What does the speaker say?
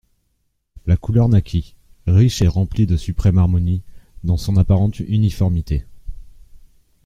La couleur naquit, riche et remplie de suprêmes harmonies dans son apparente uniformité.